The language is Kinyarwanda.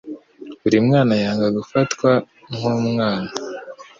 Buri mwana yanga gufatwa nkumwana.